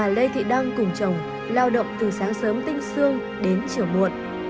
lê thị đăng cùng chồng lao động từ sáng sớm tinh sương đến chiều muộn